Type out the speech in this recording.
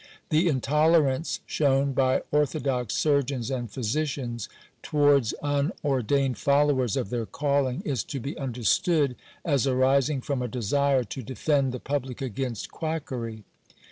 The intolerance shown by or thodox surgeons and physicians, towards uu ordained followers of their calling, is to be understood as arising from a desire to defend the public against quackery.